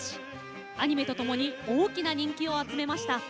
アニメとともに大きな人気を集めました。